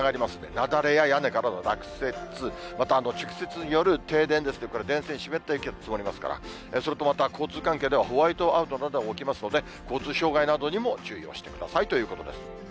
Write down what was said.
雪崩や屋根からの落雪、また着雪による停電ですね、これ電線、湿った雪が積もりますから、それとまた交通関係ではホワイトアウトなども起きますので、交通障害などにも注意をしてくださいということです。